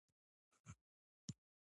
عطرونه د ځان ښکلا ته وده ورکوي.